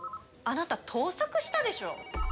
あなた盗作したでしょ？